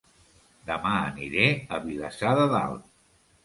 Dema aniré a Vilassar de Dalt